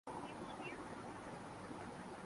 سو پیکاں تھے پیوست گلو جب چھیڑی شوق کی لے ہم نے